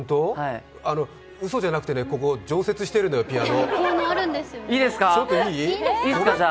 うそじゃなくて、ここ常設してるのよ、ピアノ。